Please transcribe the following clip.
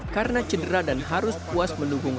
karena cedera dan harus puas menunggu